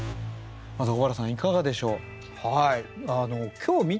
まず尾原さんいかがでしょう？